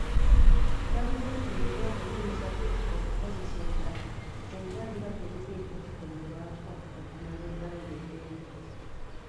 Gavumenti erina obuyinza okukozesa ettaka singa liba teririiko kikolebwako okumala ebbanga eddene.